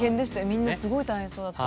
みんなすごい大変そうだった。